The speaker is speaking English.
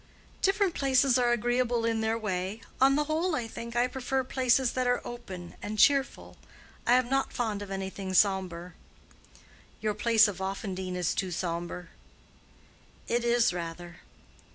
"Different places are agreeable in their way. On the whole, I think, I prefer places that are open and cheerful. I am not fond of anything sombre." "Your place of Offendene is too sombre....". "It is, rather."